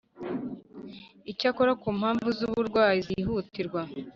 Icyakora ku mpamvu z uburwayi zihutirwa